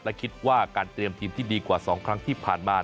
และคิดว่าการเตรียมทีมที่ดีกว่า๒ครั้งที่ผ่านมา